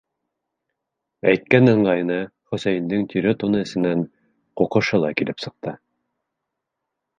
- Әйткән ыңғайына Хөсәйендең тире туны эсенән ҡуҡышы ла килеп сыҡты.